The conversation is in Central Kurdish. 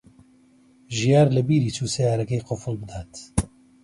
ژیار لەبیری چوو سەیارەکەی قوفڵ بدات.